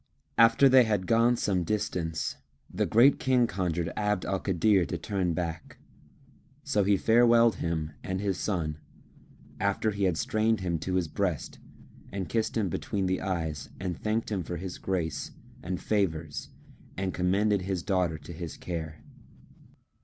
After they had gone some distance, the Great King conjured Abd al Kadir to turn back; so he farewelled him and his son, after he had strained him to his breast and kissed him between the eyes and thanked him for his grace and favours and commended his daughter to his care.